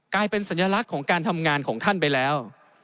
กลายเป็นสัญลักษณ์ของการทำงานของท่านไปแล้ว